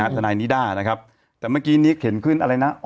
อืมอ่านายลีดาร์นะครับแต่เมื่อกี้นี้เข็นขึ้นอะไรน่ะอ๋อ